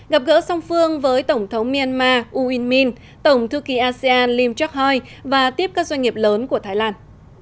gặp gỡ song phương với tổng thống myanmar uyên minh tổng thư ký asean lim chok hoi và tiếp các doanh nghiệp lớn của thái lan